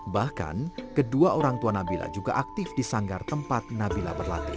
bahkan kedua orang tua nabila juga aktif di sanggar tempat nabila berlatih